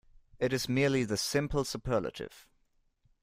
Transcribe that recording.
It is merely the simple superlative.